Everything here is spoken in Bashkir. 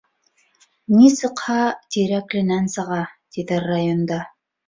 Ни сыҡһа Тирәкленән сыға, тиҙәр районда.